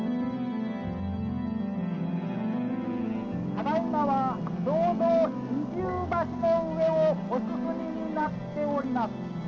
「ただいまはちょうど二重橋の上をお進みになっております。